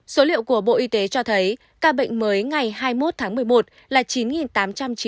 số liệu của bộ y tế cho thấy ca bệnh mới ngày hai mươi một tháng một mươi một là chín tám trăm chín mươi chín ca